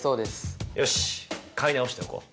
よし買い直しておこう。